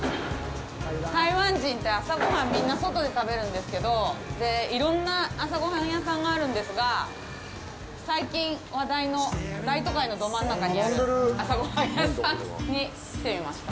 台湾人って、朝ごはん、みんな、外で食べるんですけど、いろんな朝ごはん屋さんがあるんですが、最近話題の、大都会のど真ん中にある朝ごはん屋さんに来てみました。